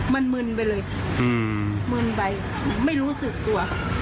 มันมึนไปเลยมึนไปไม่รู้สึกตัว